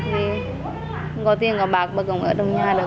vì không có tiền có bạc mà cũng ở trong nhà rồi